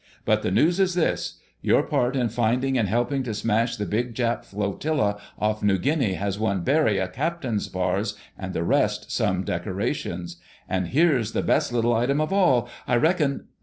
But the news is this: Your part in finding and helping to smash the big Jap flotilla off New Guinea has won Barry a captain's bars and the rest some decorations. And here's the best little item of all, I reckon...."